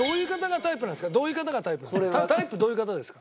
タイプどういう方ですか？